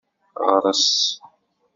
Ɣres.